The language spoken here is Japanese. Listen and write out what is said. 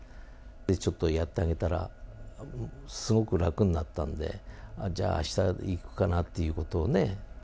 ちょっとやってあげたら、すごく楽になったので、じゃあ、あした行くかなっていうことをね。